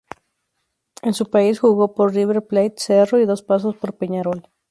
En su país jugó por River Plate, Cerro y dos pasos por Peñarol.